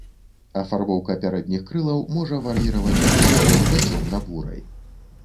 Афарбоўка пярэдніх крылаў можа вар'іраваць ад шэрай да цёмна-бурай.